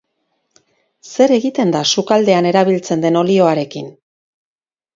Zer egiten da sukaldean erabiltzen den olioarekin?